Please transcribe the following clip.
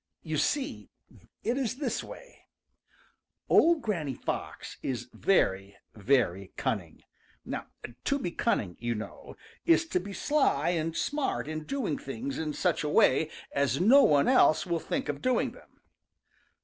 You see, it is this way: Old Granny Fox is very, very cunning. To be cunning, you know, is to be sly and smart in doing things in such a way as no one else will think of doing them.